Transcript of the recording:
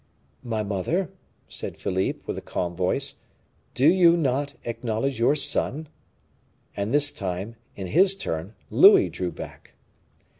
"My mother," said Philippe, with a calm voice, "do you not acknowledge your son?" And this time, in his turn, Louis drew back.